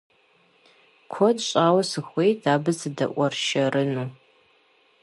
Куэд щӀауэ сыхуейт абы сыдэуэршэрыну.